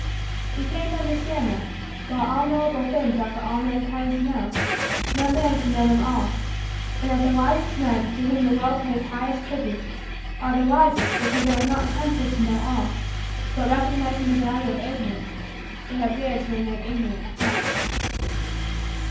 He came to understand that, while all knowable things are for all mankind to know, no man can know them all; and that the wisest men to whom the world pays highest tribute, are the wisest because they have not attempted to know all, but, recognizing the value of Ignorance, have dared to remain ignorant of much.